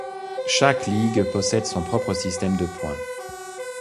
Chaque ligue possède son propre système de points.